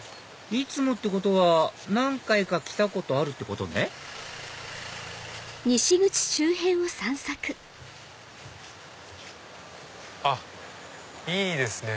いつもってことは何回か来たことあるってことねあっいいですね。